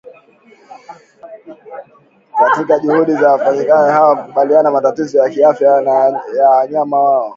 katika juhudi za wafugaji hao hukabiliana na matatizo ya kiafya ya wanyama wao